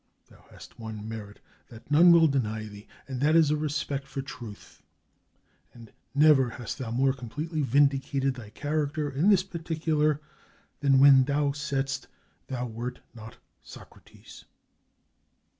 Thou hast one merit that none will deny thee, and that is, a respect for truth; and never hast thou more completely vindicated thy character, in this particular, than when thou saidst thou wert not Socrates."